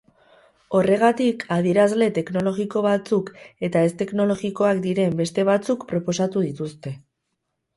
Horregatik, adierazle teknologiko batzuk eta ez-teknologikoak diren beste batzuk proposatu dituzte.